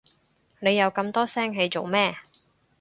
你又咁多聲氣做乜？